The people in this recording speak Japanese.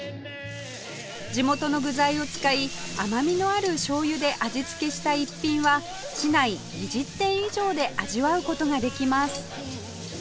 地元の具材を使い甘みのある醤油で味付けした逸品は市内２０店以上で味わう事ができます